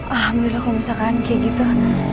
alhamdulillah kalau misalkan kayak gitu